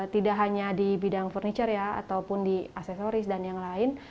tidak hanya di bidang furniture ya ataupun di aksesoris dan yang lain